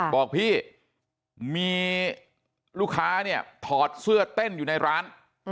บอกพี่มีลูกค้าเนี่ยถอดเสื้อเต้นอยู่ในร้าน